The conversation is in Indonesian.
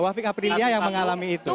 wafik aprilia yang mengalami itu